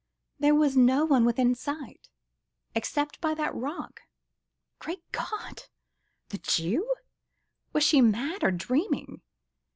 There was no one within sight ... except by that rock ... Great God! ... the Jew! ... Was she mad or dreaming? .